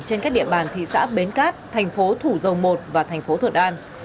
trên các địa bàn thị xã bến cát thành phố thủ dầu một và thành phố thuận an